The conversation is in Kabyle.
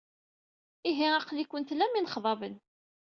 Ihi, aql-ikent tlam inexḍaben.